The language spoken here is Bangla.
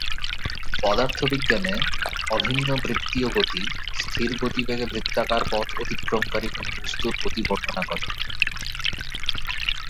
পদার্থবিজ্ঞানে, অভিন্ন বৃত্তীয় গতি,- স্থির গতিবেগে বৃত্তাকার পথ অতিক্রমকারী কোনও বস্তুর গতি বর্ণনা করে।